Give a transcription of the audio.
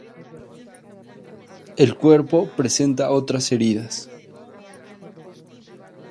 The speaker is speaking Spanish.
El cuerpo presenta otras heridas.